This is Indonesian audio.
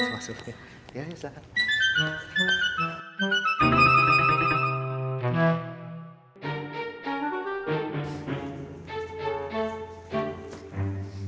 masuk masuk ya iya silahkan